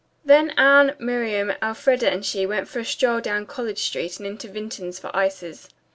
Then Anne, Miriam, Elfreda and she went for a stroll down College Street and into Vinton's for ices.